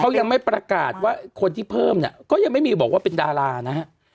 ยังไม่ประกาศว่าคนที่เพิ่มเนี่ยก็ยังไม่มีบอกว่าเป็นดารานะฮะ